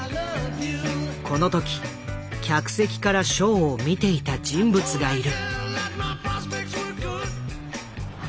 この時客席からショーを見ていた人物がいる。